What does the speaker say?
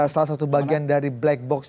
salah satu bagian dari black box